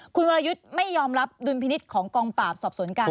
คุณวรยุทธ์ไม่ยอมรับดุลพินิษฐ์ของกองปราบสอบสวนกลาง